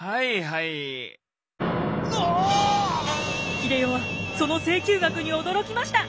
英世はその請求額に驚きました！